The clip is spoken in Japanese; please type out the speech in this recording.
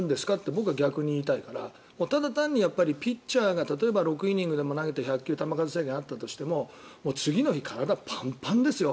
僕は言いたいから例えばピッチャーが６イニング投げて１００球球数制限があったとしても次の日、体パンパンですよ。